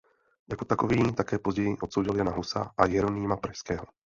Jako takový také později odsoudil Jana Husa a Jeronýma Pražského.